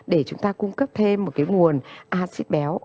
để chúng ta cung cấp thêm một cái nguồn acid béo